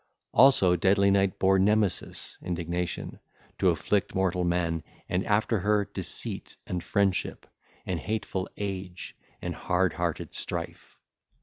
Also deadly Night bare Nemesis (Indignation) to afflict mortal men, and after her, Deceit and Friendship and hateful Age and hard hearted Strife.